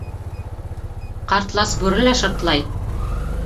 Ҡартлас бүре лә шыртлай!